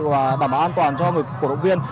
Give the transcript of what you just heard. và đảm bảo an toàn cho người cổ động viên